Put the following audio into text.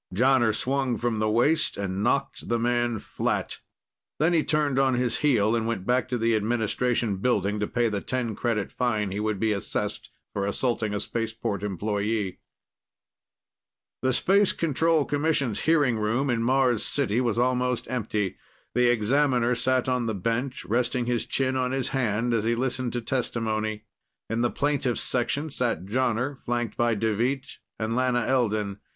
Jonner swung from the waist and knocked the man flat. Then he turned on his heel and went back to the administration building to pay the 10 credit fine he would be assessed for assaulting a spaceport employee. The Space Control Commission's hearing room in Mars City was almost empty. The examiner sat on the bench, resting his chin on his hand as he listened to testimony. In the plaintiff's section sat Jonner, flanked by Deveet and Lana Elden.